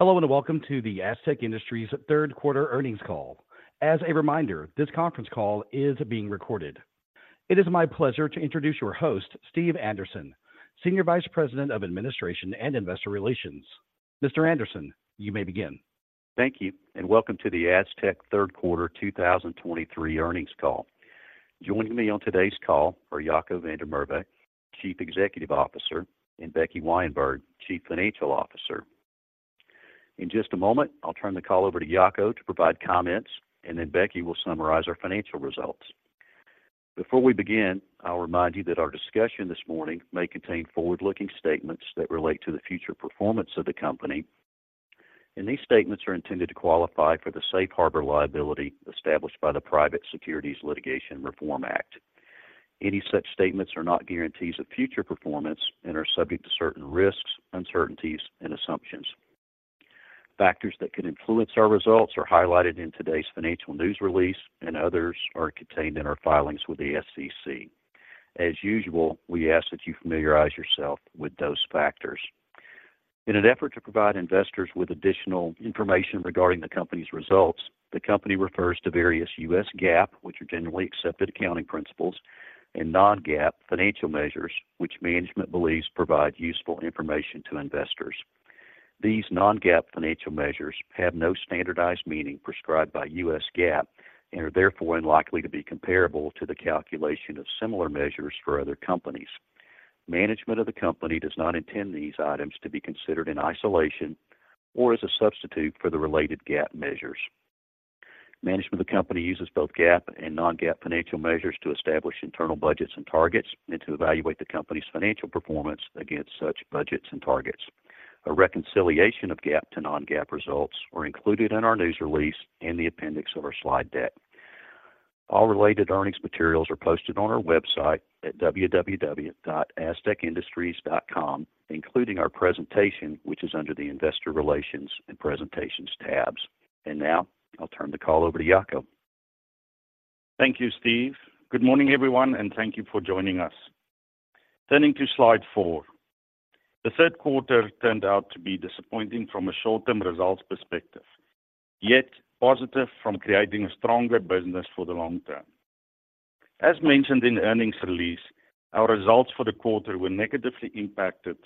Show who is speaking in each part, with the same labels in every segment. Speaker 1: Hello, and welcome to the Astec Industries third quarter earnings call. As a reminder, this conference call is being recorded. It is my pleasure to introduce your host, Steve Anderson, Senior Vice President of Administration and Investor Relations. Mr. Anderson, you may begin.
Speaker 2: Thank you, and welcome to the Astec third quarter 2023 earnings call. Joining me on today's call are Jaco van der Merwe, Chief Executive Officer, and Becky Weyenberg, Chief Financial Officer. In just a moment, I'll turn the call over to Jaco to provide comments, and then Becky will summarize our financial results. Before we begin, I'll remind you that our discussion this morning may contain forward-looking statements that relate to the future performance of the company, and these statements are intended to qualify for the safe harbor liability established by the Private Securities Litigation Reform Act. Any such statements are not guarantees of future performance and are subject to certain risks, uncertainties, and assumptions. Factors that could influence our results are highlighted in today's financial news release, and others are contained in our filings with the SEC. As usual, we ask that you familiarize yourself with those factors. In an effort to provide investors with additional information regarding the company's results, the company refers to various U.S. GAAP, which are generally accepted accounting principles, and non-GAAP financial measures, which management believes provide useful information to investors. These non-GAAP financial measures have no standardized meaning prescribed by U.S. GAAP and are therefore unlikely to be comparable to the calculation of similar measures for other companies. Management of the company does not intend these items to be considered in isolation or as a substitute for the related GAAP measures. Management of the company uses both GAAP and non-GAAP financial measures to establish internal budgets and targets and to evaluate the company's financial performance against such budgets and targets. A reconciliation of GAAP to non-GAAP results are included in our news release in the appendix of our slide deck. All related earnings materials are posted on our website at www.astecindustries.com, including our presentation, which is under the Investor Relations and Presentations tabs. And now, I'll turn the call over to Jaco.
Speaker 3: Thank you, Steve. Good morning, everyone, and thank you for joining us. Turning to slide four. The third quarter turned out to be disappointing from a short-term results perspective, yet positive from creating a stronger business for the long term. As mentioned in the earnings release, our results for the quarter were negatively impacted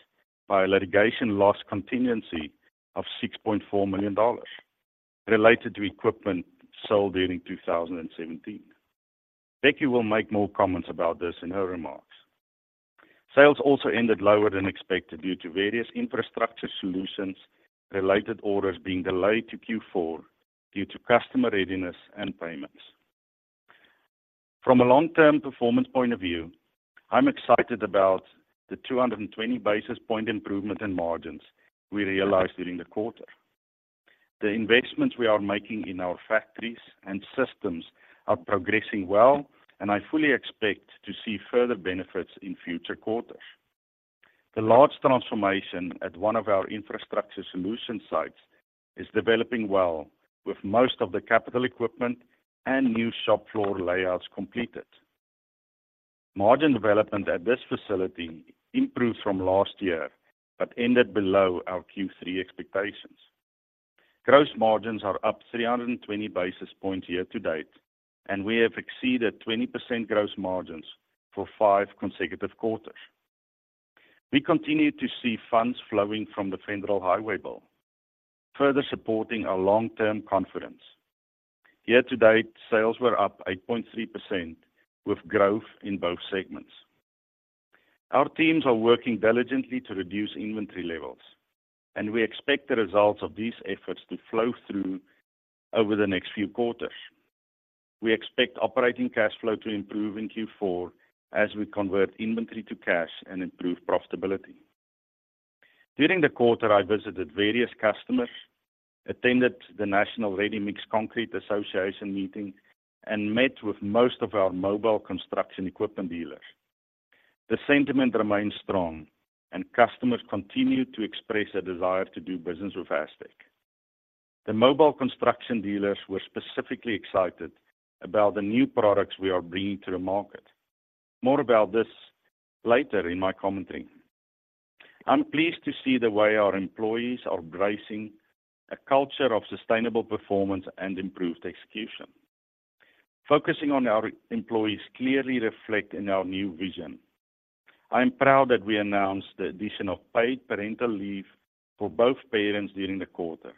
Speaker 3: by a litigation loss contingency of $6.4 million related to equipment sold during 2017. Becky will make more comments about this in her remarks. Sales also ended lower than expected due to various Infrastructure Solutions-related orders being delayed to Q4 due to customer readiness and payments. From a long-term performance point of view, I'm excited about the 220 basis point improvement in margins we realized during the quarter. The investments we are making in our factories and systems are progressing well, and I fully expect to see further benefits in future quarters. The large transformation at one of our Infrastructure Solutions sites is developing well, with most of the capital equipment and new shop floor layouts completed. Margin development at this facility improved from last year, but ended below our Q3 expectations. Gross margins are up 320 basis points year to date, and we have exceeded 20% gross margins for five consecutive quarters. We continue to see funds flowing from the Federal Highway Bill, further supporting our long-term confidence. Year to date, sales were up 8.3%, with growth in both segments. Our teams are working diligently to reduce inventory levels, and we expect the results of these efforts to flow through over the next few quarters. We expect operating cash flow to improve in Q4 as we convert inventory to cash and improve profitability. During the quarter, I visited various customers, attended the National Ready Mixed Concrete Association meeting, and met with most of our mobile construction equipment dealers. The sentiment remains strong, and customers continue to express a desire to do business with Astec. The mobile construction dealers were specifically excited about the new products we are bringing to the market. More about this later in my commentary. I'm pleased to see the way our employees are embracing a culture of sustainable performance and improved execution. Focusing on our employees clearly reflect in our new vision. I am proud that we announced the addition of paid parental leave for both parents during the quarter,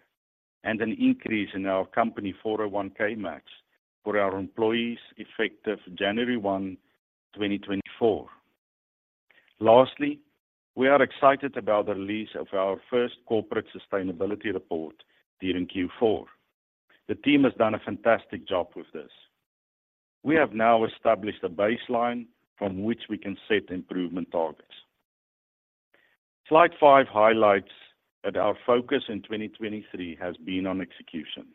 Speaker 3: and an increase in our company 401(k) match for our employees, effective January 1, 2024. Lastly, we are excited about the release of our first corporate sustainability report during Q4. The team has done a fantastic job with this. We have now established a baseline from which we can set improvement targets. Slide five highlights that our focus in 2023 has been on execution.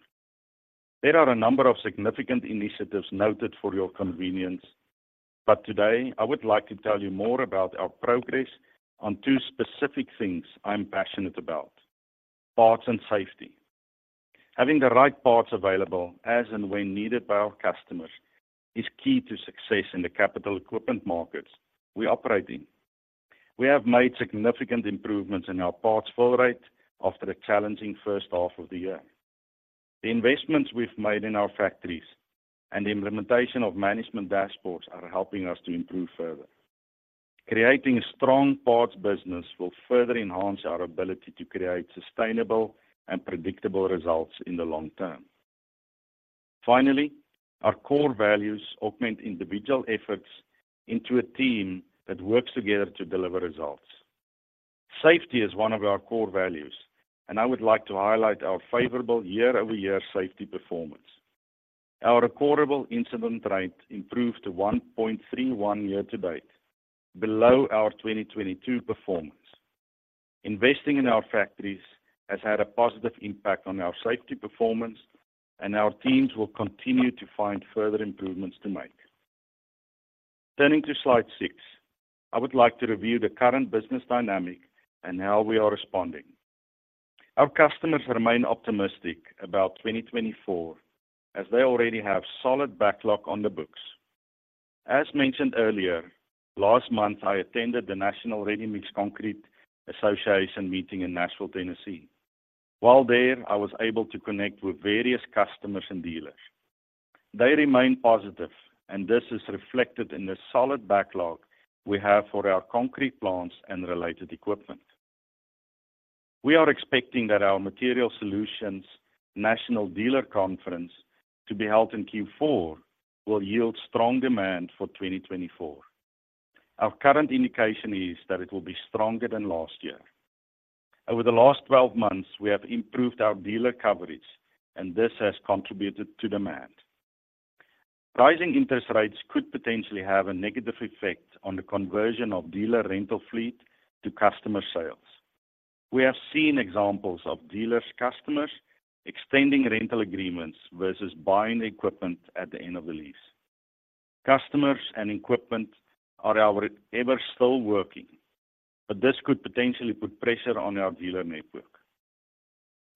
Speaker 3: There are a number of significant initiatives noted for your convenience, but today I would like to tell you more about our progress on two specific things I'm passionate about: parts and safety. Having the right parts available as and when needed by our customers is key to success in the capital equipment markets we operate in. We have made significant improvements in our parts fill rate after a challenging first half of the year. The investments we've made in our factories and the implementation of management dashboards are helping us to improve further. Creating a strong parts business will further enhance our ability to create sustainable and predictable results in the long term. Finally, our core values augment individual efforts into a team that works together to deliver results. Safety is one of our core values, and I would like to highlight our favorable year-over-year safety performance. Our recordable incident rate improved to 1.31 year to date, below our 2022 performance. Investing in our factories has had a positive impact on our safety performance, and our teams will continue to find further improvements to make. Turning to slide six, I would like to review the current business dynamic and how we are responding. Our customers remain optimistic about 2024, as they already have solid backlog on the books. As mentioned earlier, last month, I attended the National Ready Mixed Concrete Association meeting in Nashville, Tennessee. While there, I was able to connect with various customers and dealers. They remain positive, and this is reflected in the solid backlog we have for our concrete plants and related equipment. We are expecting that our Materials Solutions National Dealer Conference, to be held in Q4, will yield strong demand for 2024. Our current indication is that it will be stronger than last year. Over the last 12 months, we have improved our dealer coverage, and this has contributed to demand. Rising interest rates could potentially have a negative effect on the conversion of dealer rental fleet to customer sales. We have seen examples of dealers' customers extending rental agreements versus buying equipment at the end of the lease. Customers and equipment are however ever still working, but this could potentially put pressure on our dealer network.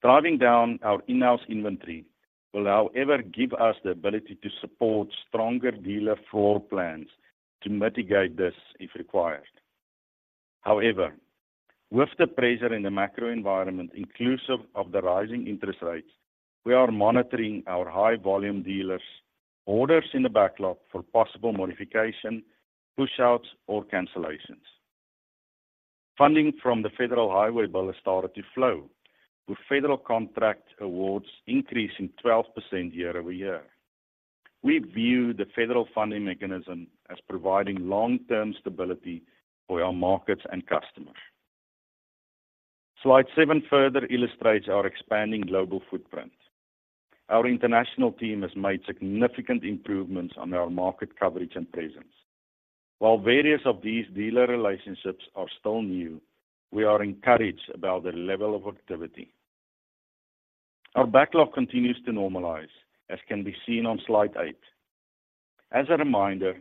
Speaker 3: Driving down our in-house inventory will, however, give us the ability to support stronger dealer floor plans to mitigate this if required. However, with the pressure in the macro environment, inclusive of the rising interest rates, we are monitoring our high-volume dealers' orders in the backlog for possible modification, pushouts, or cancellations. Funding from the Federal Highway Bill has started to flow, with federal contract awards increasing 12% year-over-year. We view the federal funding mechanism as providing long-term stability for our markets and customers. Slide seven further illustrates our expanding global footprint. Our international team has made significant improvements on our market coverage and presence. While various of these dealer relationships are still new, we are encouraged about their level of activity. Our backlog continues to normalize, as can be seen on Slide eight. As a reminder,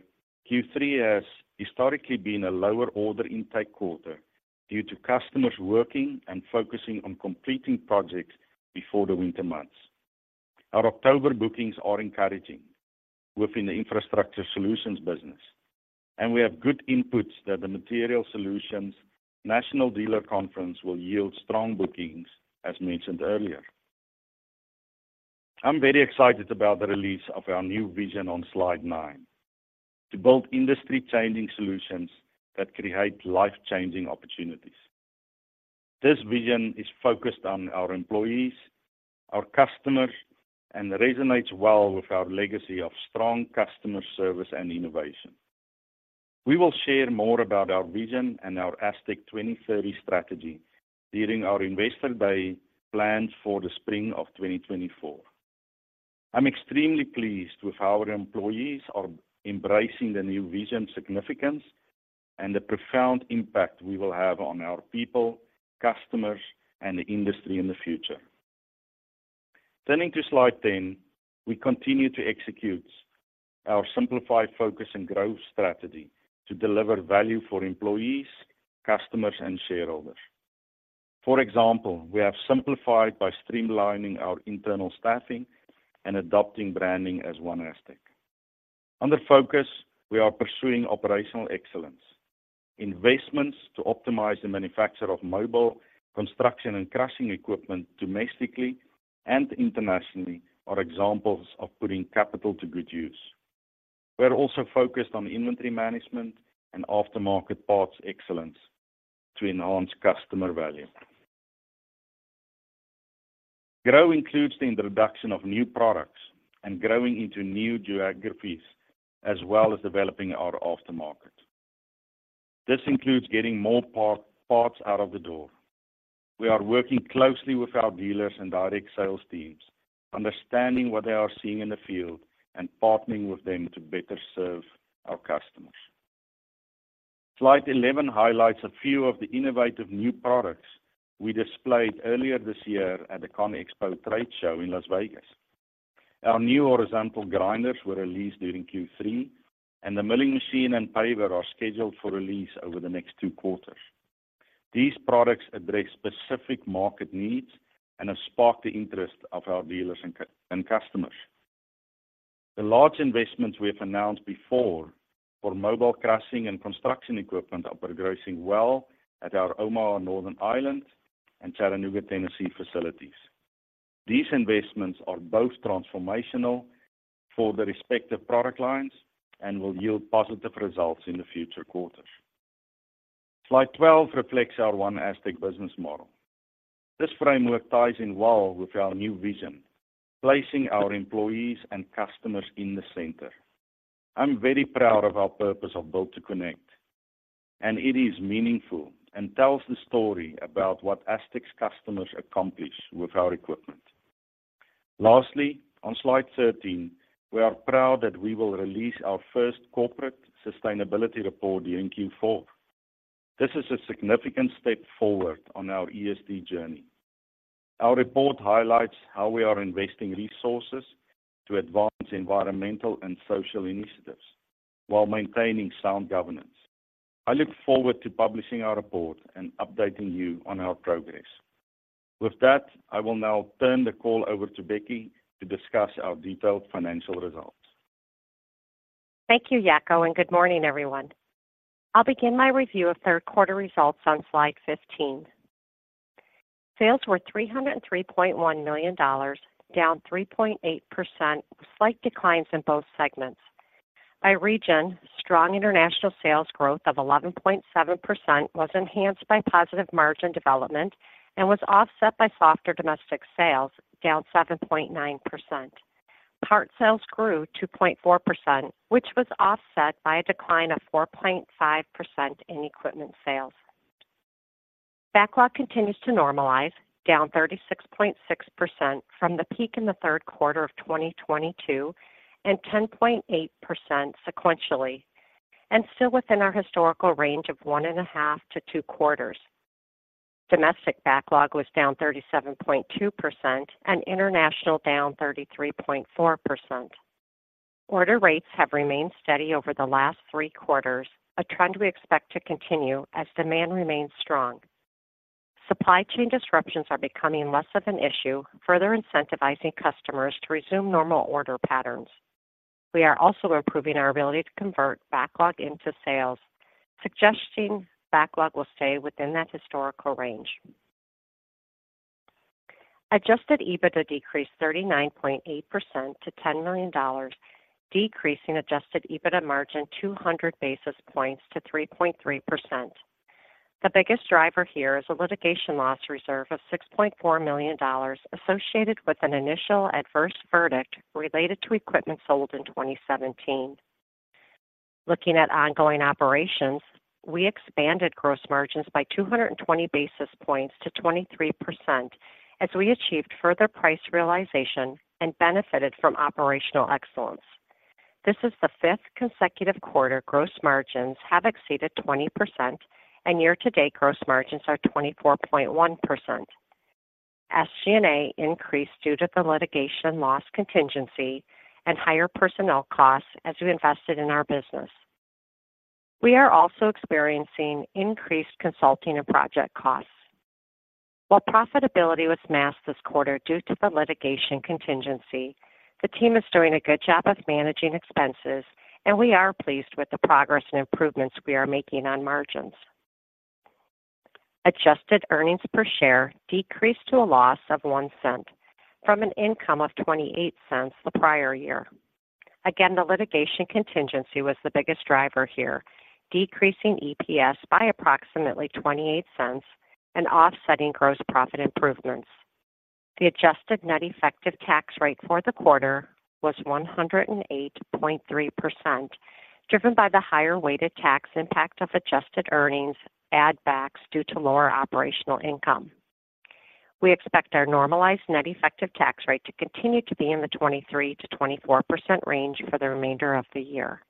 Speaker 3: Q3 has historically been a lower order intake quarter due to customers working and focusing on completing projects before the winter months. Our October bookings are encouraging within the Infrastructure Solutions business, and we have good inputs that the Materials Solutions National Dealer Conference will yield strong bookings, as mentioned earlier. I'm very excited about the release of our new vision on slide nine: to build industry-changing solutions that create life-changing opportunities. This vision is focused on our employees, our customers, and resonates well with our legacy of strong customer service and innovation. We will share more about our vision and our Astec 2030 strategy during our Investor Day planned for the spring of 2024. I'm extremely pleased with how our employees are embracing the new vision significance and the profound impact we will have on our people, customers, and the industry in the future. Turning to slide 10, we continue to execute our simplified focus and growth strategy to deliver value for employees, customers, and shareholders. For example, we have simplified by streamlining our internal staffing and adopting branding as OneASTEC. Under focus, we are pursuing operational excellence. Investments to optimize the manufacture of mobile, construction, and crushing equipment domestically and internationally are examples of putting capital to good use. We are also focused on inventory management and aftermarket parts excellence to enhance customer value. Grow includes the introduction of new products and growing into new geographies, as well as developing our aftermarket. This includes getting more parts out of the door. We are working closely with our dealers and direct sales teams, understanding what they are seeing in the field and partnering with them to better serve our customers. Slide 11 highlights a few of the innovative new products we displayed earlier this year at the CONEXPO trade show in Las Vegas. Our new horizontal grinders were released during Q3, and the milling machine and paver are scheduled for release over the next two quarters. These products address specific market needs and have sparked the interest of our dealers and customers. The large investments we have announced before for mobile crushing and construction equipment are progressing well at our Omagh, Northern Ireland, and Chattanooga, Tennessee, facilities. These investments are both transformational for the respective product lines and will yield positive results in the future quarters. Slide 12 reflects our OneASTEC business model. This framework ties in well with our new vision, placing our employees and customers in the center. I'm very proud of our purpose of Built to Connect, and it is meaningful and tells the story about what Astec's customers accomplish with our equipment. Lastly, on slide 13, we are proud that we will release our first corporate sustainability report during Q4. This is a significant step forward on our ESG journey. Our report highlights how we are investing resources to advance environmental and social initiatives while maintaining sound governance. I look forward to publishing our report and updating you on our progress. With that, I will now turn the call over to Becky to discuss our detailed financial results.
Speaker 4: Thank you, Jaco, and good morning, everyone. I'll begin my review of third quarter results on slide 15. Sales were $303.1 million, down 3.8%, with slight declines in both segments. By region, strong international sales growth of 11.7% was enhanced by positive margin development and was offset by softer domestic sales, down 7.9%. Parts sales grew 2.4%, which was offset by a decline of 4.5% in equipment sales. Backlog continues to normalize, down 36.6% from the peak in the third quarter of 2022 and 10.8% sequentially, and still within our historical range of one in a half to two quarters. Domestic backlog was down 37.2% and international down 33.4%. Order rates have remained steady over the last three quarters, a trend we expect to continue as demand remains strong. Supply chain disruptions are becoming less of an issue, further incentivizing customers to resume normal order patterns. We are also improving our ability to convert backlog into sales, suggesting backlog will stay within that historical range. Adjusted EBITDA decreased 39.8% to $10 million, decreasing adjusted EBITDA margin 200 basis points to 3.3%. The biggest driver here is a litigation loss reserve of $6.4 million associated with an initial adverse verdict related to equipment sold in 2017. Looking at ongoing operations, we expanded gross margins by 220 basis points to 23% as we achieved further price realization and benefited from operational excellence. This is the fifth consecutive quarter gross margins have exceeded 20%, and year-to-date gross margins are 24.1%. SG&A increased due to the litigation loss contingency and higher personnel costs as we invested in our business. We are also experiencing increased consulting and project costs. While profitability was masked this quarter due to the litigation contingency, the team is doing a good job of managing expenses, and we are pleased with the progress and improvements we are making on margins. Adjusted earnings per share decreased to a loss of $0.01 from an income of $0.28 the prior year. Again, the litigation contingency was the biggest driver here, decreasing EPS by approximately $0.28 and offsetting gross profit improvements. The adjusted net effective tax rate for the quarter was 108.3%, driven by the higher weighted tax impact of adjusted earnings add backs due to lower operational income. We expect our normalized net effective tax rate to continue to be in the 23%-24% range for the remainder of the year.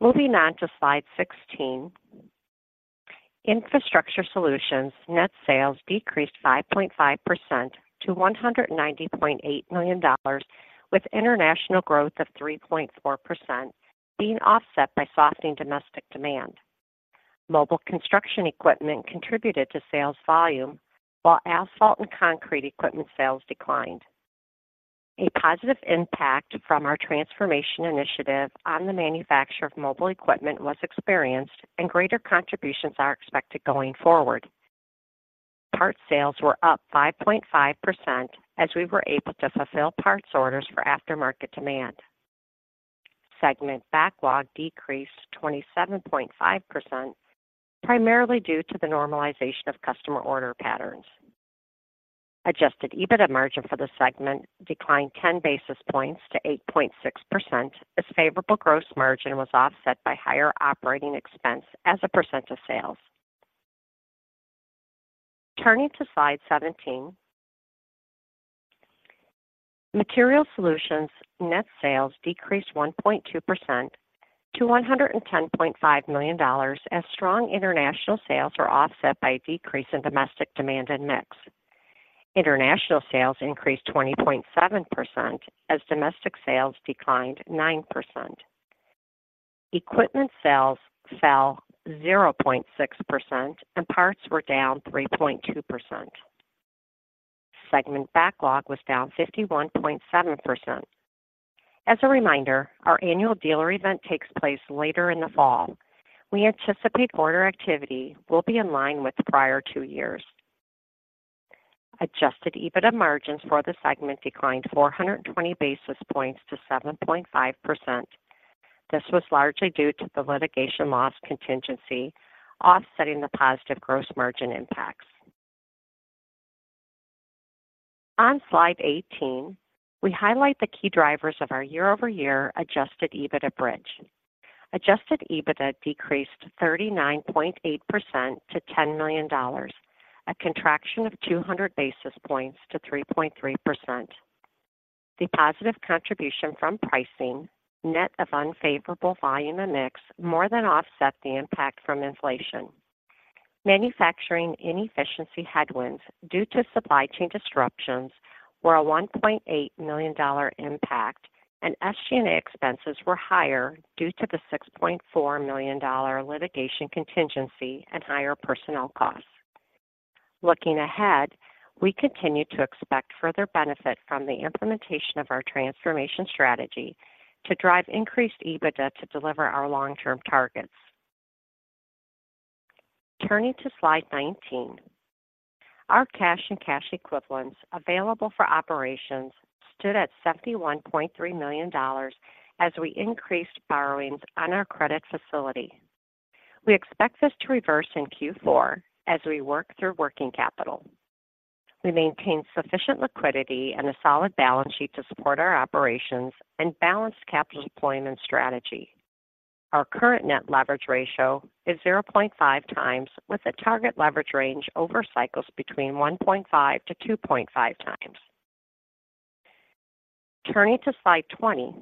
Speaker 4: Moving on to slide 16, Infrastructure Solutions' net sales decreased 5.5% to $190.8 million, with international growth of 3.4% being offset by softening domestic demand. Mobile construction equipment contributed to sales volume while asphalt and concrete equipment sales declined. A positive impact from our transformation initiative on the manufacture of mobile equipment was experienced, and greater contributions are expected going forward. Part sales were up 5.5% as we were able to fulfill parts orders for aftermarket demand. Segment backlog decreased 27.5%, primarily due to the normalization of customer order patterns. Adjusted EBITDA margin for the segment declined 10 basis points to 8.6%, as favorable gross margin was offset by higher operating expense as a percent of sales. Turning to slide 17, Materials Solutions' net sales decreased 1.2% to $110.5 million as strong international sales were offset by a decrease in domestic demand and mix. International sales increased 20.7% as domestic sales declined 9%. Equipment sales fell 0.6%, and parts were down 3.2%. Segment backlog was down 51.7%. As a reminder, our annual dealer event takes place later in the fall. We anticipate order activity will be in line with the prior two years. Adjusted EBITDA margins for the segment declined 420 basis points to 7.5%. This was largely due to the litigation loss contingency, offsetting the positive gross margin impacts. On slide 18, we highlight the key drivers of our year-over-year adjusted EBITDA bridge. Adjusted EBITDA decreased 39.8% to $10 million, a contraction of 200 basis points to 3.3%. The positive contribution from pricing, net of unfavorable volume and mix, more than offset the impact from inflation. Manufacturing inefficiency headwinds due to supply chain disruptions were a $1.8 million impact, and SG&A expenses were higher due to the $6.4 million litigation contingency and higher personnel costs. Looking ahead, we continue to expect further benefit from the implementation of our transformation strategy to drive increased EBITDA to deliver our long-term targets. Turning to slide 19. Our cash and cash equivalents available for operations stood at $71.3 million as we increased borrowings on our credit facility. We expect this to reverse in Q4 as we work through working capital. We maintain sufficient liquidity and a solid balance sheet to support our operations and balanced capital deployment strategy. Our current net leverage ratio is 0.5x, with a target leverage range over cycles between 1.5x-2.5x. Turning to slide 20.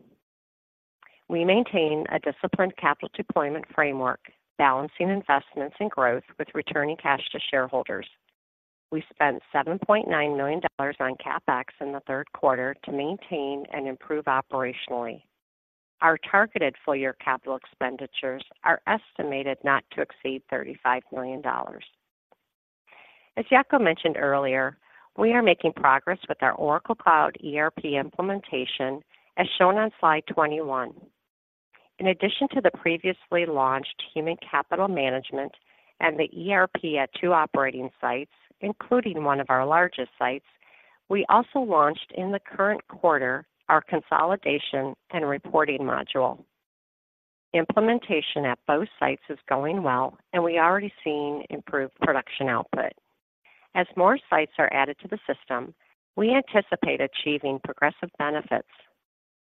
Speaker 4: We maintain a disciplined capital deployment framework, balancing investments and growth with returning cash to shareholders. We spent $7.9 million on CapEx in the third quarter to maintain and improve operationally. Our targeted full-year capital expenditures are estimated not to exceed $35 million. As Jaco mentioned earlier, we are making progress with our Oracle Cloud ERP implementation, as shown on slide 21. In addition to the previously launched Human Capital Management and the ERP at two operating sites, including one of our largest sites, we also launched in the current quarter our consolidation and reporting module. Implementation at both sites is going well, and we are already seeing improved production output. As more sites are added to the system, we anticipate achieving progressive benefits.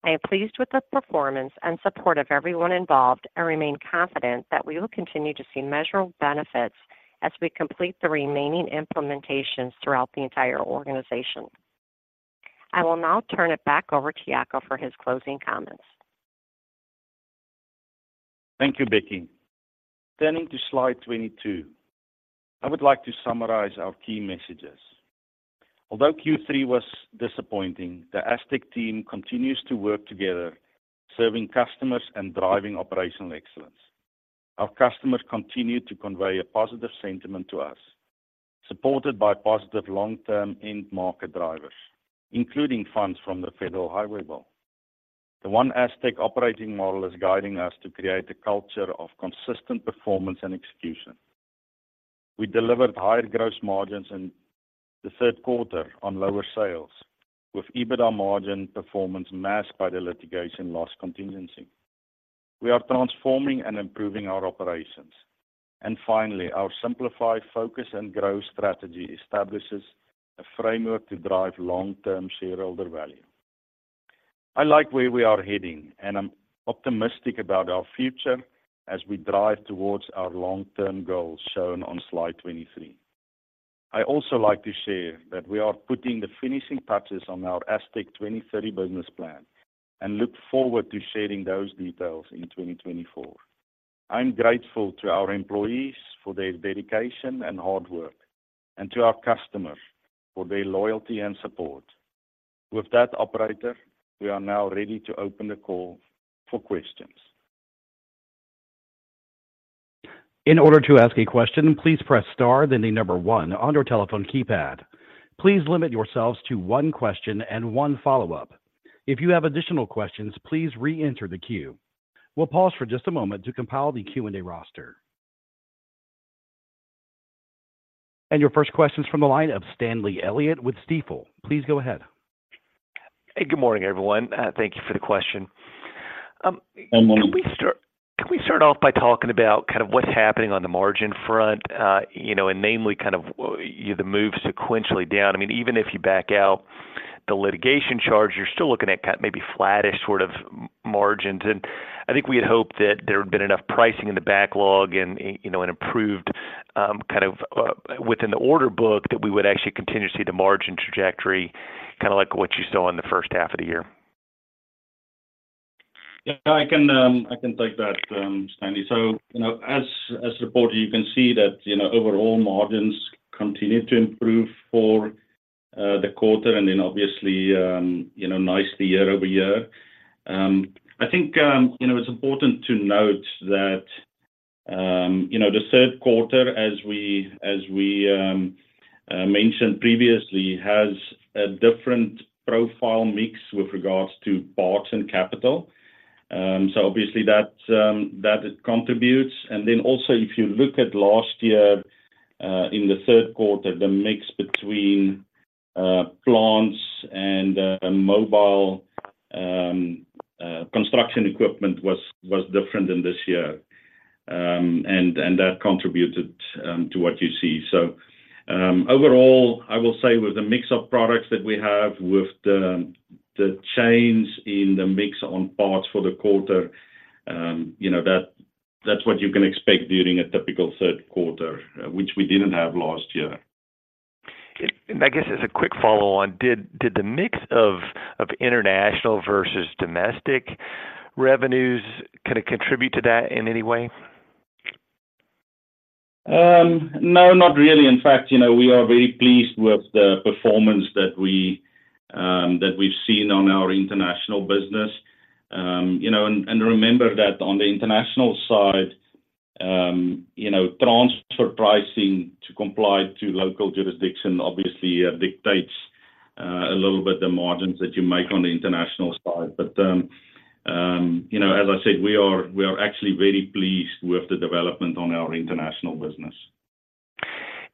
Speaker 4: I am pleased with the performance and support of everyone involved and remain confident that we will continue to see measurable benefits as we complete the remaining implementations throughout the entire organization. I will now turn it back over to Jaco for his closing comments.
Speaker 3: Thank you, Becky. Turning to slide 22, I would like to summarize our key messages. Although Q3 was disappointing, the Astec team continues to work together, serving customers and driving operational excellence. Our customers continue to convey a positive sentiment to us, supported by positive long-term end market drivers, including funds from the Federal Highway Bill. The OneASTEC operating model is guiding us to create a culture of consistent performance and execution. We delivered higher gross margins in the third quarter on lower sales, with EBITDA margin performance masked by the litigation loss contingency. We are transforming and improving our operations. And finally, our simplify, focus, and growth strategy establishes a framework to drive long-term shareholder value. I like where we are heading, and I'm optimistic about our future as we drive towards our long-term goals shown on slide 23. I also like to share that we are putting the finishing touches on our Astec 2030 business plan and look forward to sharing those details in 2024. I'm grateful to our employees for their dedication and hard work and to our customers for their loyalty and support. With that, operator, we are now ready to open the call for questions.
Speaker 1: In order to ask a question, please press star, then the number one on your telephone keypad. Please limit yourselves to one question and one follow-up. If you have additional questions, please reenter the queue. We'll pause for just a moment to compile the Q&A roster. Your first question is from the line of Stanley Elliott with Stifel. Please go ahead.
Speaker 5: Hey, good morning, everyone. Thank you for the question.
Speaker 3: Good morning.
Speaker 5: Can we start, can we start off by talking about kind of what's happening on the margin front, you know, and namely kind of the move sequentially down? I mean, even if you back out the litigation charge, you're still looking at kind maybe flattish sort of margins. And I think we had hoped that there had been enough pricing in the backlog and, you know, an improved kind of within the order book that we would actually continue to see the margin trajectory.... kind of like what you saw in the first half of the year?
Speaker 3: Yeah, I can, I can take that, Stanley. So, you know, as reported, you can see that, you know, overall margins continued to improve for the quarter and then obviously, you know, nicely year-over-year. I think, you know, it's important to note that, you know, the third quarter, as we mentioned previously, has a different profile mix with regards to parts and capital. So obviously that it contributes. And then also if you look at last year, in the third quarter, the mix between plants and mobile construction equipment was different than this year. And that contributed to what you see. Overall, I will say with the mix of products that we have, with the change in the mix on parts for the quarter, you know, that's what you can expect during a typical third quarter, which we didn't have last year.
Speaker 5: I guess as a quick follow-on, did the mix of international versus domestic revenues could it contribute to that in any way?
Speaker 3: No, not really. In fact, you know, we are very pleased with the performance that we've seen on our international business. You know, and remember that on the international side, you know, transfer pricing to comply to local jurisdiction obviously dictates a little bit the margins that you make on the international side. But, you know, as I said, we are actually very pleased with the development on our international business.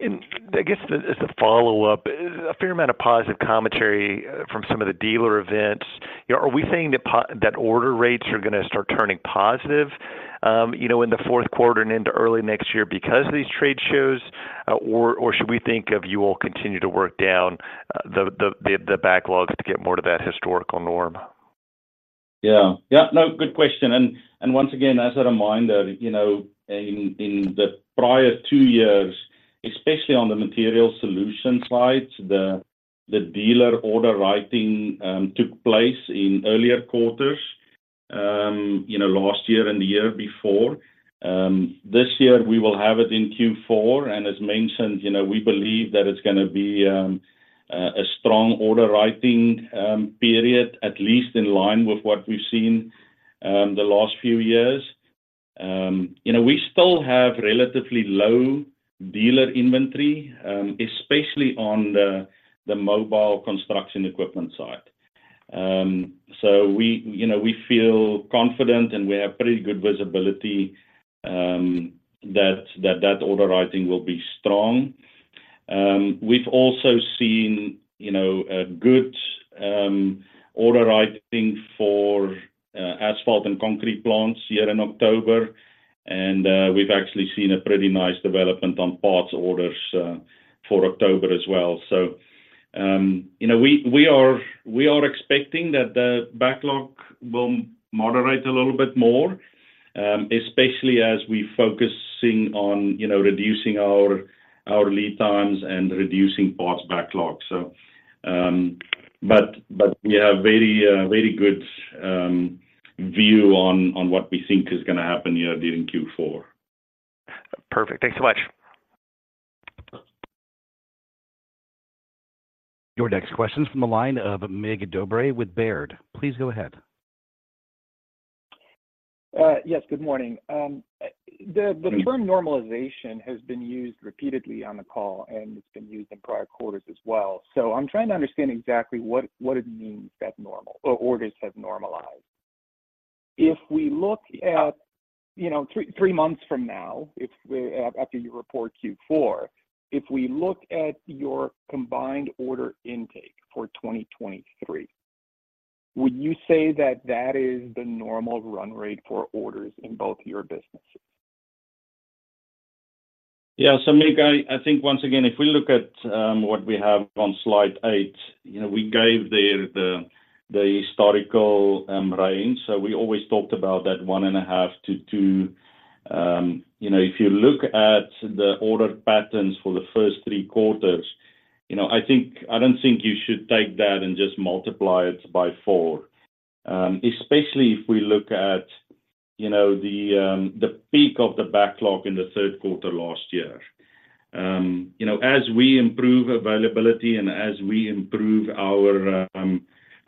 Speaker 5: I guess as a follow-up, a fair amount of positive commentary from some of the dealer events. You know, are we saying that that order rates are gonna start turning positive, you know, in the fourth quarter and into early next year because of these trade shows? Or should we think of you will continue to work down the backlogs to get more to that historical norm?
Speaker 3: Yeah. Yeah, no, good question, and once again, as a reminder, you know, in the prior two years, especially on the material solution side, the dealer order writing took place in earlier quarters, you know, last year and the year before. This year, we will have it in Q4, and as mentioned, you know, we believe that it's gonna be a strong order writing period, at least in line with what we've seen the last few years. You know, we still have relatively low dealer inventory, especially on the mobile construction equipment side. So we, you know, we feel confident, and we have pretty good visibility that order writing will be strong. We've also seen, you know, a good order writing for asphalt and concrete plants here in October, and we've actually seen a pretty nice development on parts orders for October as well. So, you know, we are expecting that the backlog will moderate a little bit more, especially as we're focusing on, you know, reducing our lead times and reducing parts backlog. So, but we have very, very good view on what we think is gonna happen here during Q4.
Speaker 5: Perfect. Thanks so much.
Speaker 1: Your next question is from the line of Mig Dobre with Baird. Please go ahead.
Speaker 6: Yes, good morning.
Speaker 3: Good morning
Speaker 6: The term normalization has been used repeatedly on the call, and it's been used in prior quarters as well. So I'm trying to understand exactly what, what it means that normal- or orders have normalized. If we look at, you know, three months from now, if we, after you report Q4, if we look at your combined order intake for 2023, would you say that that is the normal run rate for orders in both your businesses?
Speaker 3: Yeah, so Mig, I think once again, if we look at what we have on slide eight, you know, we gave there the historical range. So we always talked about that one in a half to two. You know, if you look at the order patterns for the first three quarters, you know, I don't think you should take that and just multiply it by four. Especially if we look at the peak of the backlog in the third quarter last year. You know, as we improve availability and as we improve our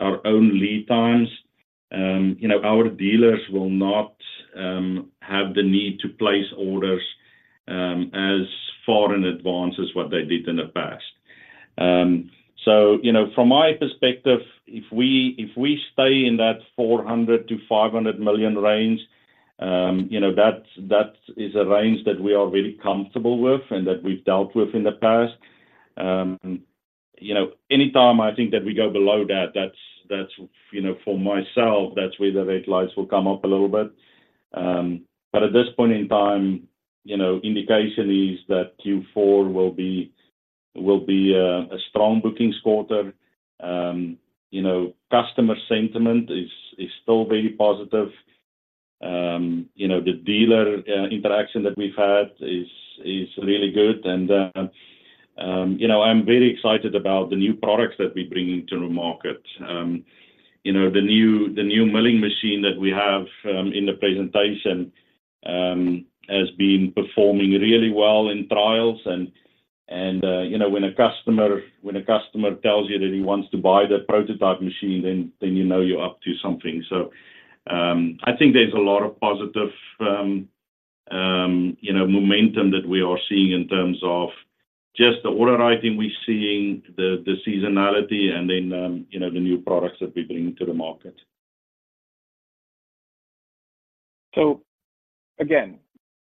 Speaker 3: own lead times, you know, our dealers will not have the need to place orders as far in advance as what they did in the past. So, you know, from my perspective, if we, if we stay in that $400 million-$500 million range, you know, that's, that is a range that we are really comfortable with and that we've dealt with in the past. You know, anytime I think that we go below that, that's, that's, you know, for myself, that's where the red lights will come up a little bit. But at this point in time, you know, indication is that Q4 will be, will be a, a strong bookings quarter. You know, customer sentiment is, is still very positive. You know, the dealer interaction that we've had is, is really good. And, you know, I'm very excited about the new products that we're bringing to the market. You know, the new milling machine that we have in the presentation has been performing really well in trials. You know, when a customer tells you that he wants to buy the prototype machine, then you know you're up to something. So, I think there's a lot of positive, you know, momentum that we are seeing in terms of just the order writing we're seeing, the seasonality and then, you know, the new products that we're bringing to the market.
Speaker 6: So again,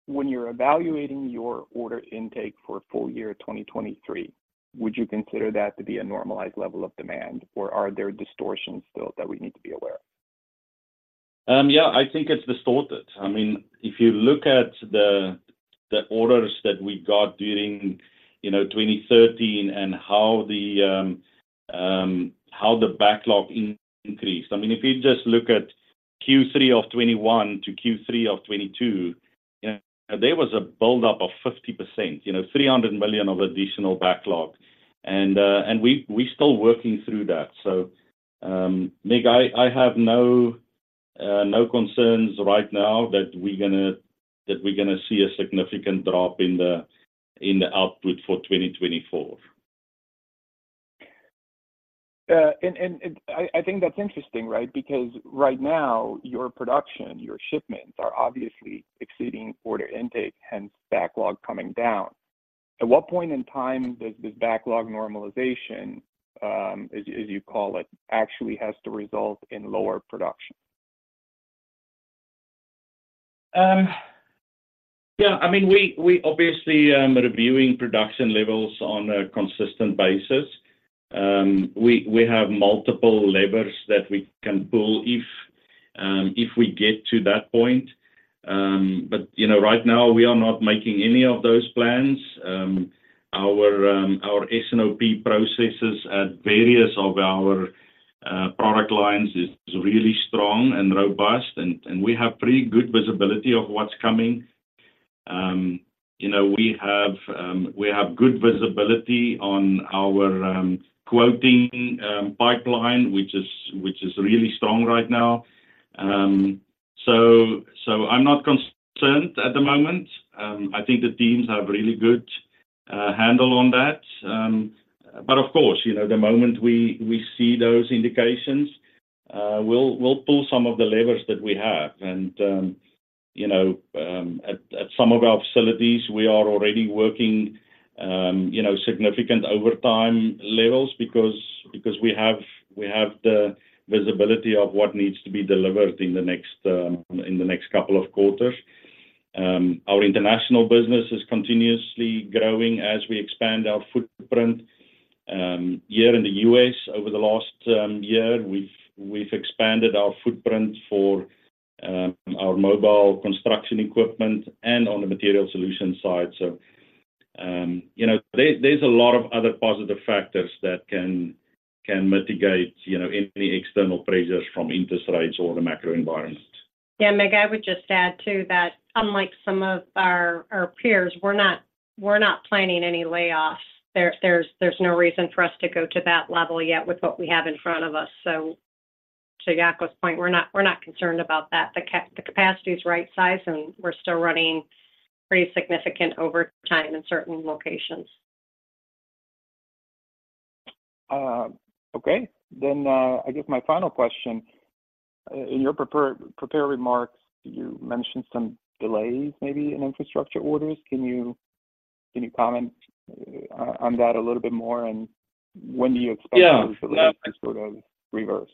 Speaker 6: when you're evaluating your order intake for full year 2023, would you consider that to be a normalized level of demand, or are there distortions still that we need to be aware of?
Speaker 3: Yeah, I think it's distorted. I mean, if you look at the orders that we got during, you know, 2013 and how the backlog increased. I mean, if you just look at Q3 of 2021 to Q3 of 2022, you know, there was a build-up of 50%, you know, $300 million of additional backlog. And we still working through that. So, Mig, I have no concerns right now that we're gonna see a significant drop in the output for 2024.
Speaker 6: And I think that's interesting, right? Because right now, your production, your shipments are obviously exceeding order intake, hence backlog coming down. At what point in time does this backlog normalization, as you call it, actually has to result in lower production?
Speaker 3: Yeah, I mean, we obviously reviewing production levels on a consistent basis. We have multiple levers that we can pull if we get to that point. But, you know, right now, we are not making any of those plans. Our S&OP processes at various of our product lines is really strong and robust, and we have pretty good visibility of what's coming. You know, we have good visibility on our quoting pipeline, which is really strong right now. So, I'm not concerned at the moment. I think the teams have really good handle on that. But of course, you know, the moment we see those indications, we'll pull some of the levers that we have. You know, at some of our facilities, we are already working, you know, significant overtime levels because we have the visibility of what needs to be delivered in the next couple of quarters. Our international business is continuously growing as we expand our footprint. Here in the U.S., over the last year, we've expanded our footprint for our mobile construction equipment and on the material solution side. So, you know, there's a lot of other positive factors that can mitigate, you know, any external pressures from interest rates or the macro environment.
Speaker 4: Yeah, Mig, I would just add, too, that unlike some of our peers, we're not planning any layoffs. There's no reason for us to go to that level yet with what we have in front of us. So to Jaco's point, we're not concerned about that. The capacity is right size, and we're still running pretty significant overtime in certain locations.
Speaker 6: Okay. Then, I guess my final question. In your prepared remarks, you mentioned some delays, maybe in infrastructure orders. Can you comment on that a little bit more? And when do you expect-
Speaker 3: Yeah
Speaker 6: Sort of reverse?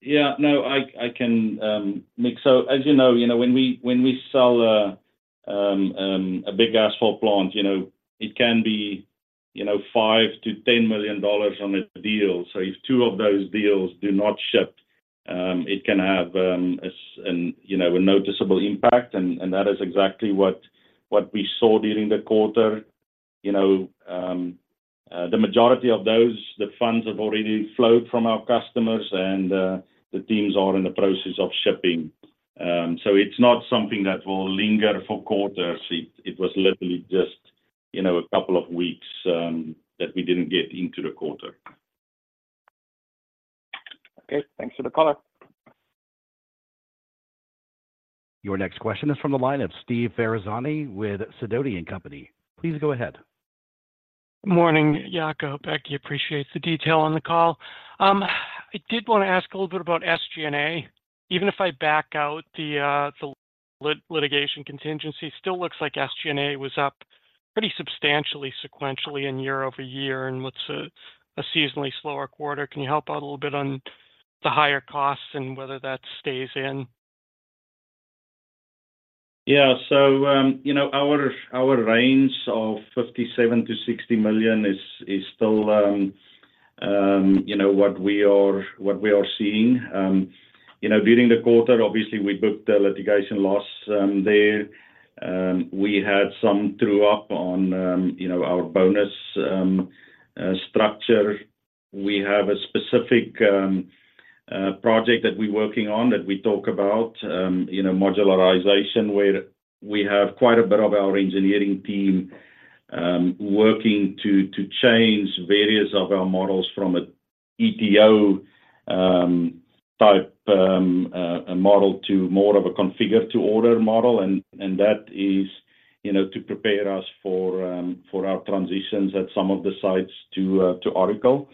Speaker 3: Yeah. No, I can, Mig. So as you know, you know, when we sell a big asphalt plant, you know, it can be, you know, $5 million-$10 million on a deal. So if two of those deals do not ship, it can have, you know, a noticeable impact, and that is exactly what we saw during the quarter. You know, the majority of those funds have already flowed from our customers, and the teams are in the process of shipping. So it's not something that will linger for quarters. It was literally just, you know, a couple of weeks that we didn't get into the quarter.
Speaker 6: Okay, thanks for the color.
Speaker 1: Your next question is from the line of Steve Ferazani with Sidoti & Company. Please go ahead.
Speaker 7: Morning, Jaco, Becky. Appreciate the detail on the call. I did wanna ask a little bit about SG&A. Even if I back out the litigation contingency, it still looks like SG&A was up pretty substantially sequentially and year-over-year and what's a seasonally slower quarter. Can you help out a little bit on the higher costs and whether that stays in?
Speaker 3: Yeah. So, you know, our range of $57 million-$60 million is still, you know, what we are seeing. You know, during the quarter, obviously, we booked a litigation loss there. We had some true-up on, you know, our bonus structure. We have a specific project that we're working on, that we talk about, you know, modularization, where we have quite a bit of our engineering team working to change various of our models from an ETO type a model to more of a configure-to-order model. And that is, you know, to prepare us for our transitions at some of the sites to Oracle.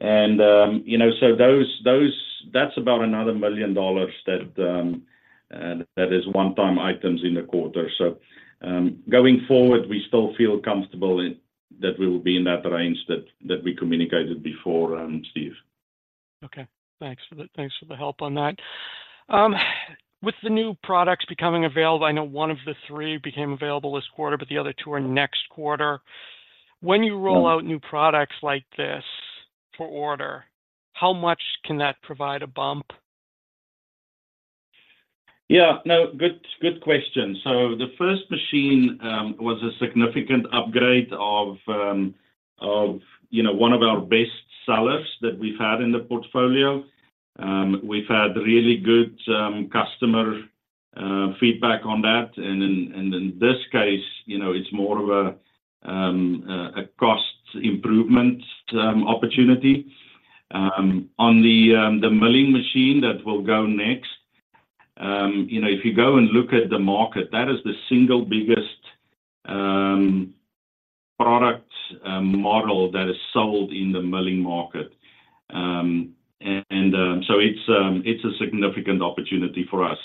Speaker 3: You know, so those, that's about another $1 million that is one-time items in the quarter. So, going forward, we still feel comfortable in that we will be in that range that we communicated before, Steve.
Speaker 7: Okay, thanks for the, thanks for the help on that. With the new products becoming available, I know one of the three became available this quarter, but the other two are next quarter. When you roll out new products like this for order, how much can that provide a bump?
Speaker 3: Yeah. No, good, good question. So the first machine was a significant upgrade of, you know, one of our best sellers that we've had in the portfolio. We've had really good customer feedback on that. And then, and in this case, you know, it's more of a cost improvement opportunity. On the milling machine that will go next, you know, if you go and look at the market, that is the single biggest product model that is sold in the milling market. And so it's a significant opportunity for us.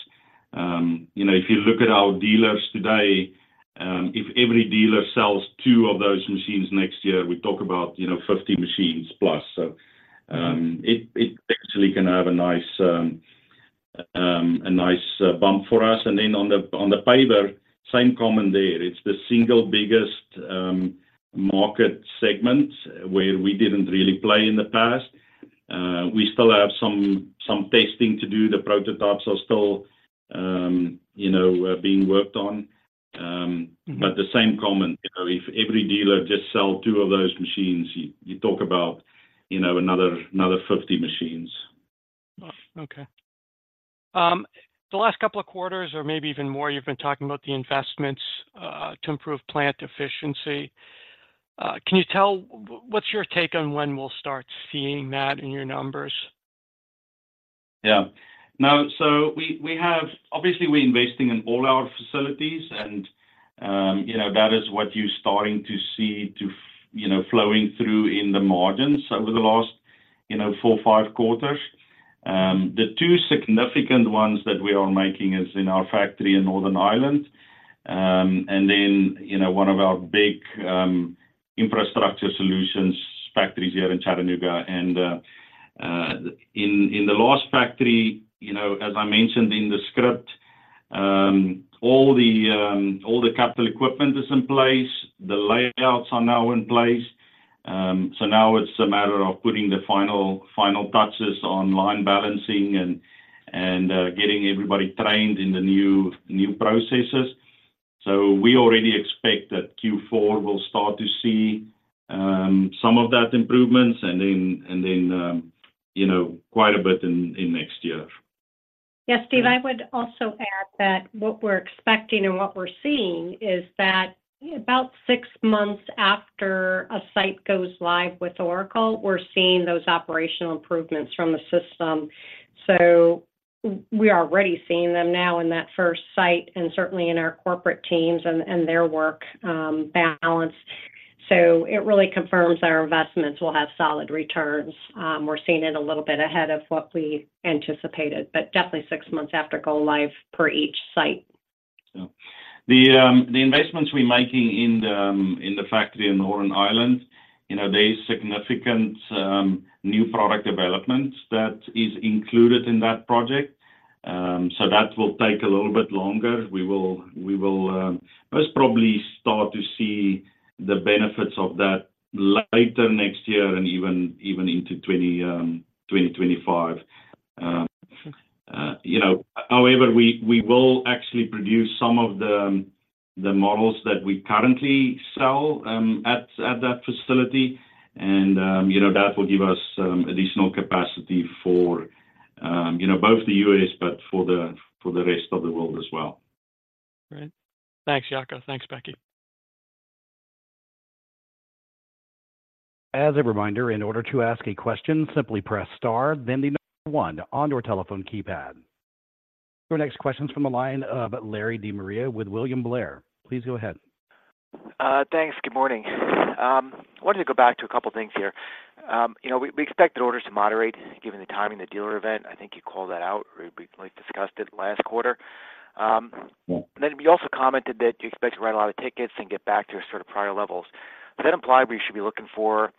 Speaker 3: You know, if you look at our dealers today, if every dealer sells two of those machines next year, we talk about, you know, 50 machines plus. So, it actually can have a nice bump for us. And then on the paver, same comment there. It's the single biggest market segment where we didn't really play in the past. We still have some testing to do. The prototypes are still, you know, being worked on.
Speaker 7: Mm-hmm.
Speaker 3: But the same comment, you know, if every dealer just sell 2 of those machines, you talk about, you know, another 50 machines.
Speaker 7: Oh, okay. The last couple of quarters, or maybe even more, you've been talking about the investments to improve plant efficiency. Can you tell, what's your take on when we'll start seeing that in your numbers?
Speaker 3: Yeah. Now, so we have, obviously, we're investing in all our facilities, and, you know, that is what you're starting to see, you know, flowing through in the margins over the last, you know, four-five quarters. The two significant ones that we are making is in our factory in Northern Ireland, and then, you know, one of our big Infrastructure Solutions factories here in Chattanooga. And, in the last factory, you know, as I mentioned in the script, all the capital equipment is in place. The layouts are now in place. So now it's a matter of putting the final touches on line balancing and getting everybody trained in the new processes. So we already expect that Q4 will start to see some of that improvements, and then you know, quite a bit in next year.
Speaker 4: Yes, Steve, I would also add that what we're expecting and what we're seeing is that about six months after a site goes live with Oracle, we're seeing those operational improvements from the system. So we are already seeing them now in that first site and certainly in our corporate teams and their work balance. So it really confirms our investments will have solid returns. We're seeing it a little bit ahead of what we anticipated, but definitely six months after go live per each site.
Speaker 3: Yeah. The investments we're making in the factory in Northern Ireland, you know, there is significant new product developments that is included in that project. So that will take a little bit longer. We will, we will most probably start to see the benefits of that later next year and even, even into 2025. You know, however, we, we will actually produce some of the models that we currently sell at that facility. And, you know, that will give us additional capacity for, you know, both the U.S., but for the rest of the world as well.
Speaker 7: Great. Thanks, Jaco. Thanks, Becky.
Speaker 1: As a reminder, in order to ask a question, simply press star then the number one on your telephone keypad. Our next question is from the line of Larry De Maria with William Blair. Please go ahead.
Speaker 8: Thanks. Good morning. I wanted to go back to a couple of things here. You know, we expected orders to moderate, given the timing of the dealer event. I think you called that out or briefly discussed it last quarter.
Speaker 3: Yeah.
Speaker 8: Then you also commented that you expect to write a lot of tickets and get back to sort of prior levels. Does that imply we should be looking for,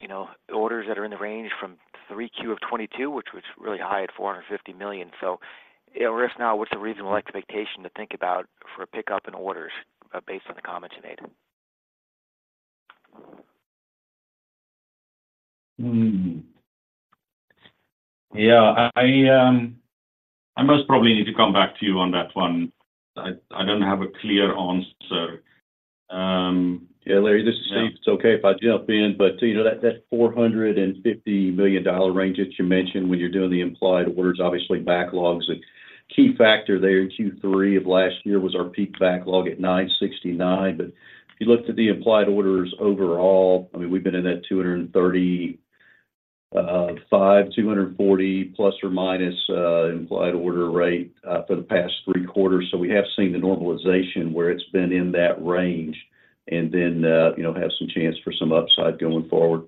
Speaker 8: you know, orders that are in the range from 3Q of 2022, which was really high at $450 million? So, you know, risk now, what's the reasonable expectation to think about for a pickup in orders, based on the comments you made?
Speaker 3: Yeah, I most probably need to come back to you on that one. I don't have a clear answer.
Speaker 2: Yeah, Larry, this is Steve.
Speaker 3: Yeah.
Speaker 2: It's okay if I jump in, but, you know, that, that $450 million range that you mentioned when you're doing the implied orders, obviously, backlog is a key factor there. In Q3 of last year was our peak backlog at $969. But if you looked at the implied orders overall, I mean, we've been in that 235-240±, implied order rate, for the past three quarters. So we have seen the normalization where it's been in that range, and then, you know, have some chance for some upside going forward.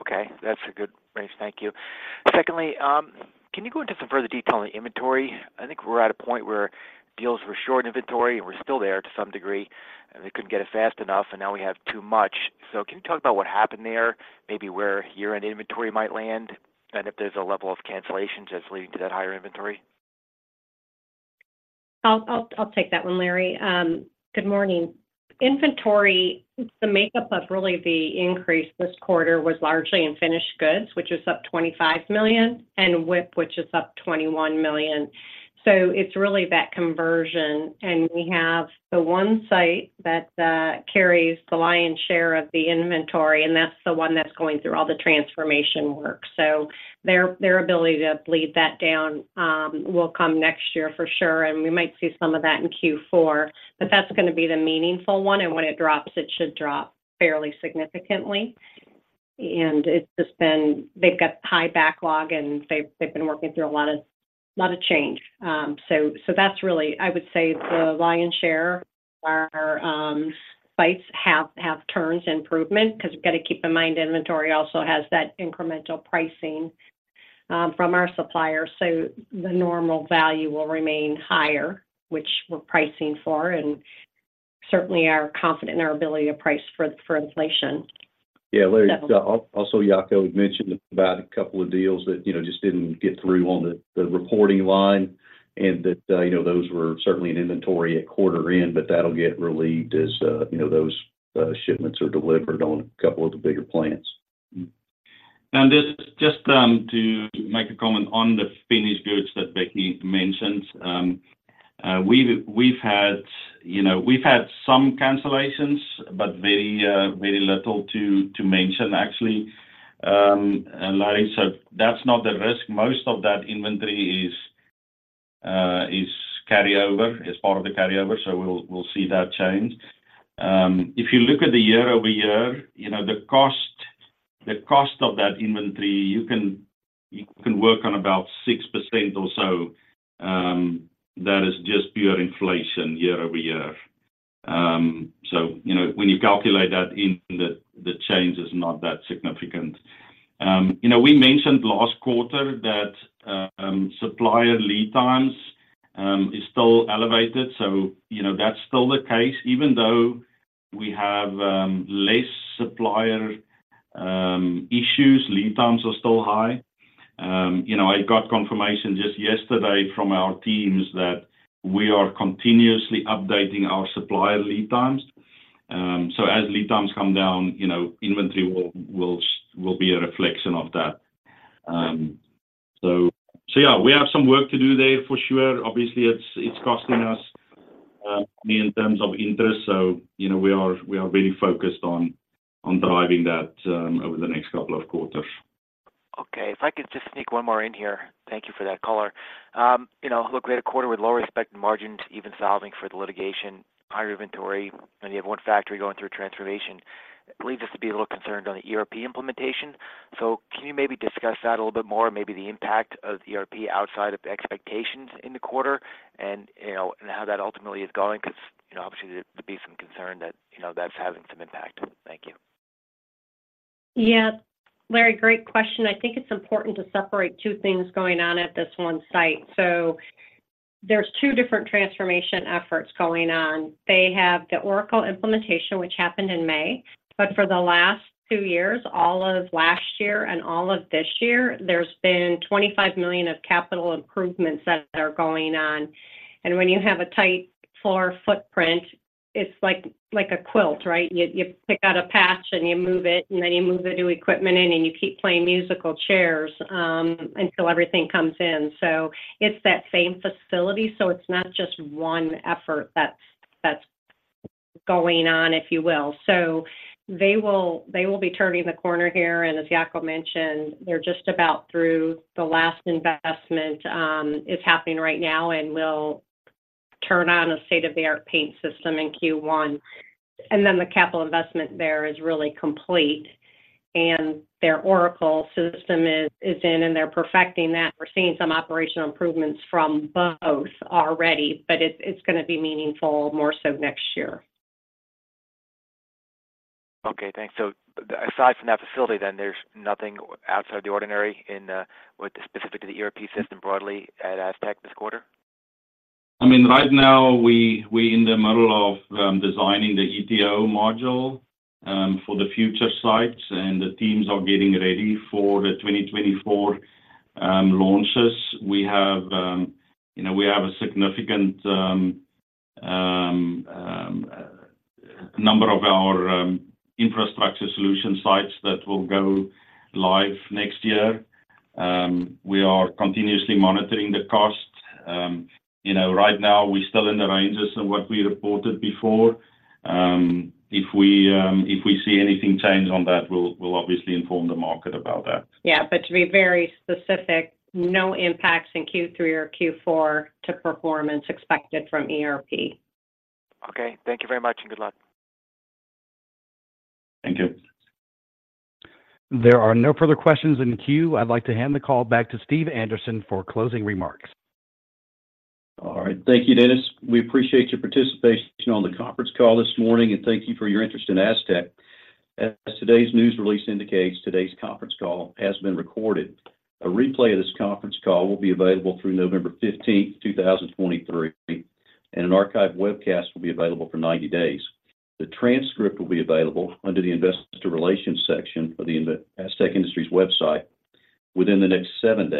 Speaker 8: Okay, that's a good range. Thank you. Secondly, can you go into some further detail on the inventory? I think we're at a point where deals were short inventory, and we're still there to some degree, and we couldn't get it fast enough, and now we have too much. So can you talk about what happened there, maybe where year-end inventory might land, and if there's a level of cancellations that's leading to that higher inventory?
Speaker 4: I'll take that one, Larry. Good morning. Inventory, the makeup of really the increase this quarter was largely in finished goods, which is up $25 million, and WIP, which is up $21 million. So it's really that conversion, and we have the one site that carries the lion's share of the inventory, and that's the one that's going through all the transformation work. So their ability to bleed that down will come next year for sure, and we might see some of that in Q4. But that's gonna be the meaningful one, and when it drops, it should drop fairly significantly. And it's just been... They've got high backlog, and they've been working through a lot of change. So that's really, I would say, the lion's share. Our sites have turns improvement, 'cause you got to keep in mind, inventory also has that incremental pricing from our supplier. So the normal value will remain higher, which we're pricing for, and certainly are confident in our ability to price for inflation.
Speaker 2: Yeah, Larry, also, Jaakko had mentioned about a couple of deals that, you know, just didn't get through on the reporting line, and that, you know, those were certainly in inventory at quarter end, but that'll get relieved as, you know, those shipments are delivered on a couple of the bigger plants.
Speaker 3: And just to make a comment on the finished goods that Becky mentioned. We've had, you know, we've had some cancellations, but very little to mention, actually, Larry, so that's not the risk. Most of that inventory is carryover, is part of the carryover, so we'll see that change. If you look at the year-over-year, you know, the cost of that inventory, you can work on about 6% or so. That is just pure inflation year-over-year. So, you know, when you calculate that in, the change is not that significant. You know, we mentioned last quarter that supplier lead times is still elevated, so you know, that's still the case. Even though we have less supplier issues, lead times are still high. You know, I got confirmation just yesterday from our teams that we are continuously updating our supplier lead times. So as lead times come down, you know, inventory will be a reflection of that. So yeah, we have some work to do there for sure. Obviously, it's costing us in terms of interest, so you know, we are very focused on driving that over the next couple of quarters.
Speaker 8: Okay. If I could just sneak one more in here. Thank you for that color. You know, look, we had a quarter with lower gross margins, even solving for the litigation, higher inventory, and you have one factory going through a transformation. It leads us to be a little concerned on the ERP implementation. So can you maybe discuss that a little bit more, and maybe the impact of the ERP outside of the expectations in the quarter and, you know, and how that ultimately is going? 'Cause, you know, obviously, there could be some concern that, you know, that's having some impact. Thank you.
Speaker 4: Yeah. Larry, great question. I think it's important to separate two things going on at this one site. So there's two different transformation efforts going on. They have the Oracle implementation, which happened in May, but for the last two years, all of last year and all of this year, there's been $25 million of capital improvements that are going on. And when you have a tight floor footprint, it's like, like a quilt, right? You pick out a patch, and you move it, and then you move the new equipment in, and you keep playing musical chairs until everything comes in. So it's that same facility, so it's not just one effort that's going on, if you will. So they will be turning the corner here, and as Jaco mentioned, they're just about through. The last investment is happening right now and will turn on a state-of-the-art paint system in Q1. And then the capital investment there is really complete, and their Oracle system is in, and they're perfecting that. We're seeing some operational improvements from both already, but it's gonna be meaningful more so next year.
Speaker 8: Okay, thanks. So aside from that facility, then there's nothing outside the ordinary in, with specific to the ERP system broadly at Astec this quarter?
Speaker 3: I mean, right now, we, we're in the middle of designing the ETO module for the future sites, and the teams are getting ready for the 2024 launches. We have, you know, we have a significant number of our Infrastructure Solutions sites that will go live next year. We are continuously monitoring the cost. You know, right now, we're still in the ranges of what we reported before. If we, if we see anything change on that, we'll, we'll obviously inform the market about that.
Speaker 4: Yeah, but to be very specific, no impacts in Q3 or Q4 to performance expected from ERP.
Speaker 8: Okay. Thank you very much, and good luck.
Speaker 3: Thank you.
Speaker 1: There are no further questions in the queue. I'd like to hand the call back to Steve Anderson for closing remarks.
Speaker 2: All right. Thank you, Dennis. We appreciate your participation on the conference call this morning, and thank you for your interest in Astec. As today's news release indicates, today's conference call has been recorded. A replay of this conference call will be available through November 15, 2023, and an archive webcast will be available for 90 days. The transcript will be available under the Investor Relations section of the Astec Industries website within the next seven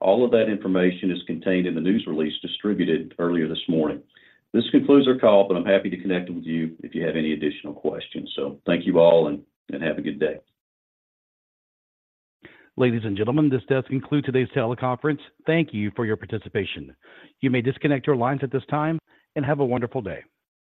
Speaker 2: days. All of that information is contained in the news release distributed earlier this morning. This concludes our call, but I'm happy to connect with you if you have any additional questions. So thank you all, and have a good day.
Speaker 1: Ladies and gentlemen, this does conclude today's teleconference. Thank you for your participation. You may disconnect your lines at this time, and have a wonderful day.